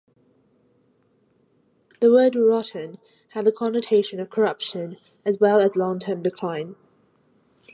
The word "rotten" had the connotation of corruption as well as long-term decline.